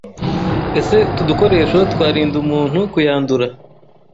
Ese utu dukoresho twarinda umuntu kuyandura